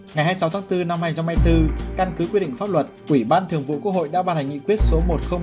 ngày hai mươi sáu tháng bốn năm hai nghìn hai mươi bốn căn cứ quyết định pháp luật quỹ ban thường vụ quốc hội đã bàn hành nghị quyết số một nghìn bốn mươi sáu